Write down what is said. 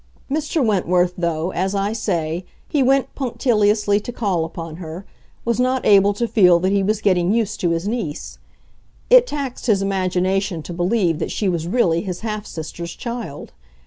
Mr. Wentworth, though, as I say, he went punctiliously to call upon her, was not able to feel that he was getting used to his niece. It taxed his imagination to believe that she was really his half sister's child.